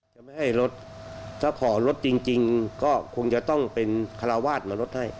จะไม่ให้รถถ้าขอรถจริงก็คงจะต้องเป็นคาราวาสมาลดให้